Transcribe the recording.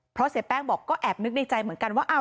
เพราะเสียแป้งบอกก็แอบนึกในใจเหมือนกันว่า